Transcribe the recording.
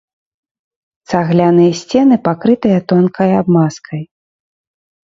Цагляныя сцены пакрытыя тонкай абмазкай.